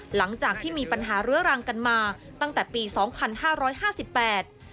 หลังจากที่มีปัญหาเรื้อรังกันมาตั้งแต่ปีสองพันห้าร้อยห้าสิบแปด